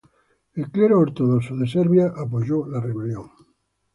El clero ortodoxo en Serbia apoyó la rebelión.